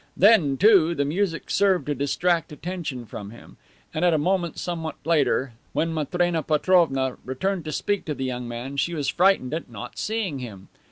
Then, too, the music served to distract attention from him, and at a moment somewhat later, when Matrena Petrovna turned to speak to the young man, she was frightened at not seeing him.